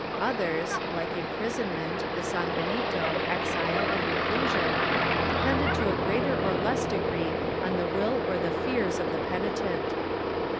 Others, like imprisonment, the sanbenito, exile and reclusion, depended to a greater or less degree on the will or the fears of the penitent.